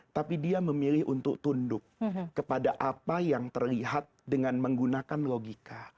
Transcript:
tapi dia memilih untuk tunduk kepada apa yang terlihat dengan menggunakan logika